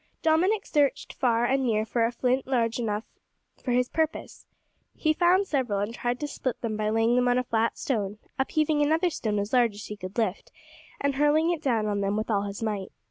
Dominick searched far and near for a flint large enough for his purpose. He found several, and tried to split them by laying them on a flat stone, upheaving another stone as large as he could lift, and hurling it down on them with all his might.